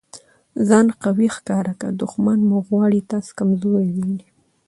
ځان قوي ښکاره که! دوښمن مو غواړي تاسي کمزوري وویني.